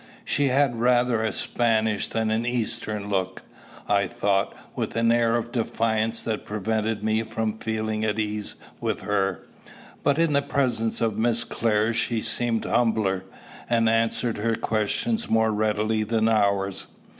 She had rather a Spanish than an Eastern look, I thought, with an air of defiance that prevented me from feeling at ease with her; but in the presence of Miss Clare she seemed humbler, and answered her questions more readily than ours.